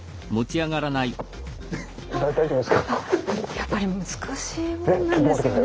やっぱり難しいもんなんですよね。